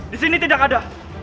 di sini tidak ada